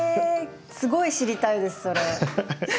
すごい知りたいですそれ。